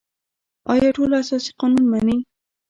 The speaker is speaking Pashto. آیا ټول اساسي قانون مني؟